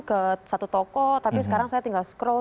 ke satu toko tapi sekarang saya tinggal scrowt